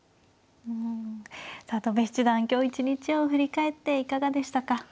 さあ戸辺七段今日一日を振り返っていかがでしたか。